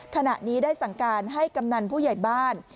ขณะนี้ได้สั่งการให้กำนันผู้ใหญ่บ้าน